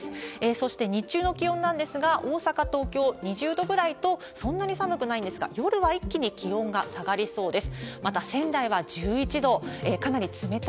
そして、日中の気温なんですが、大阪、東京、２０度ぐらいと、そんなに寒くないんですが、夜は一気に気温が下がりそうです。